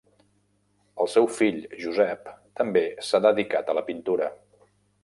El seu fill Josep també s'ha dedicat a la pintura.